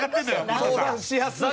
相談しやすい。